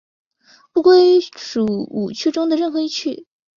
不归属五趣中的任何一趣。